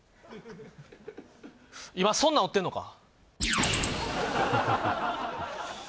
今そんなん売ってんのか？